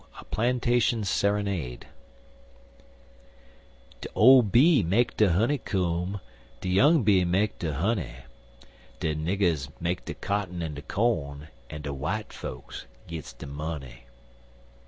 2.A PLANTATION SERENADE DE ole bee make de honey comb, De young bee make de honey, De niggers make de cotton en co'n, En de w'ite folks gits de money.